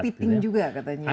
ada kepiting juga katanya